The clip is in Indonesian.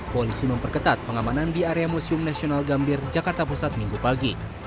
polisi memperketat pengamanan di area museum nasional gambir jakarta pusat minggu pagi